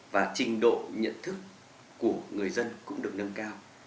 và trình độ nhận thức của người dân cũng được nâng cao